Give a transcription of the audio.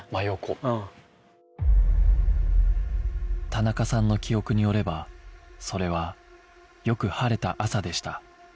田中さんの記憶によればそれはよく晴れた朝でした